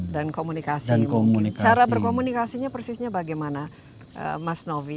dan komunikasi cara berkomunikasinya persisnya bagaimana mas novi